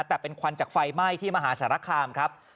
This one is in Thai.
แต่เป็นควันจากไฟไหม้ที่มหาสารคามครับ